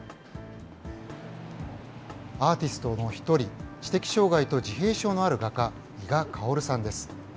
アーティストの一人、知的障害と自閉症のある画家、伊賀敢男留さんです。